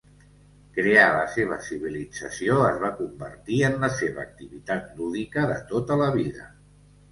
Crear la seva civilització es va convertir en la seva activitat lúdica de tota la vida.